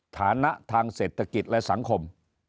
ฐานะทางเศรษฐกิจและสังคม